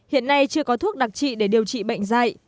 hiện nay chưa có thuốc đặc trị để điều trị bệnh dạy